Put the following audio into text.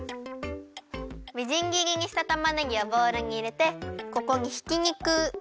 みじん切りにしたたまねぎをボウルにいれてここにひきにく。